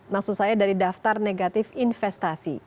maksud saya dari daftar negatif investasi